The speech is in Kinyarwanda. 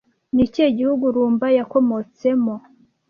Ni ikihe gihugu rumba yakomotse mo